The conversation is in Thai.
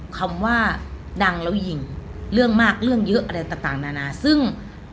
คำว่าดังแล้วหญิงเรื่องมากเรื่องเยอะอะไรต่างนานาซึ่ง